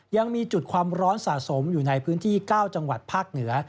ยังมีจุดความร้อนสะสมอยู่ในพื้นที่๙จังหวัดภาคเหนือ